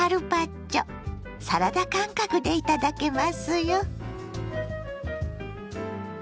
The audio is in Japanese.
サラダ感覚でいただけますよ。